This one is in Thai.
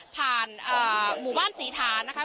หมู่บ้านศรีฐานนะคะ